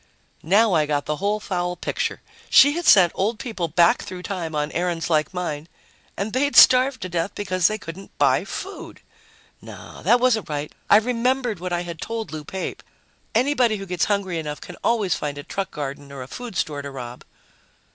Now I got the whole foul picture. She had sent old people back through time on errands like mine ... and they'd starved to death because they couldn't buy food! No, that wasn't right. I remembered what I had told Lou Pape: anybody who gets hungry enough can always find a truck garden or a food store to rob.